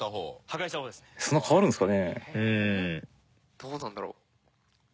どうなんだろう？